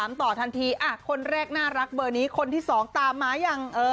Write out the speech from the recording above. มาอย่าง